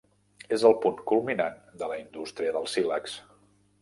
És el punt culminant de la indústria del sílex.